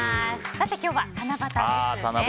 さて、今日は七夕ですね。